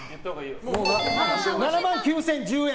７万９０１０円。